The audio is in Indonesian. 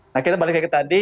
nah kita balik lagi ke tadi